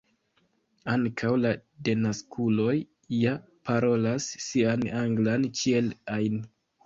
ankaŭ la denaskuloj ja parolas sian anglan ĉiel ajn.